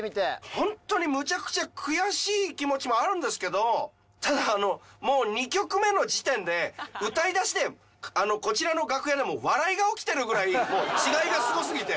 ホントにむちゃくちゃ悔しい気持ちもあるんですけどただもう２曲目の時点で歌いだしでこちらの楽屋でも笑いが起きてるぐらい違いがすご過ぎて。